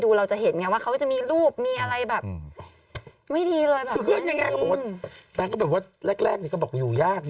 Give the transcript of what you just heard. แต่ก็แบบว่าแรกเนี่ยเขาบอกว่าอยู่ยาก